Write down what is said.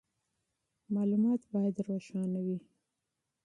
معلومات باید روښانه وي.